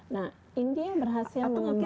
nah india berhasil mengembangkan